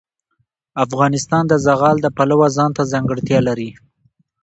افغانستان د زغال د پلوه ځانته ځانګړتیا لري.